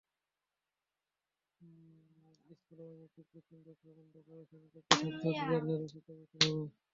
স্কুলে অনৈতিক কোচিং ব্যবসা বন্ধ করে শ্রেণিকক্ষে ছাত্রছাত্রীদের যথাযথ শিক্ষা দিতে হবে।